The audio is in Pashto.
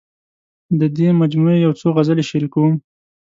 د دې مجموعې یو څو غزلې شریکوم.